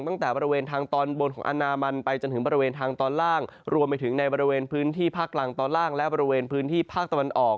ตั้งแต่บริเวณทางตอนบนของอนามันไปจนถึงบริเวณทางตอนล่างรวมไปถึงในบริเวณพื้นที่ภาคกลางตอนล่างและบริเวณพื้นที่ภาคตะวันออก